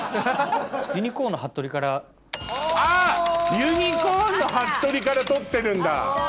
ユニコーンの『服部』から取ってるんだ！